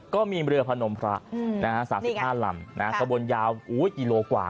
ก็มีเรือพนมพระ๓๕ลำคบรรยาวอู๊ยอยู่โลกกว่า